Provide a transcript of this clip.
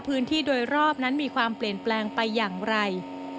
พื้นที่โดยรอบนั้นมีความเปลี่ยนแปลงไปอย่างไร